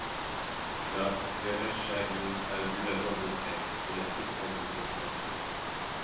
Là, Verechtchaguine a vu la mort de près et la souffrance de ses compatriotes.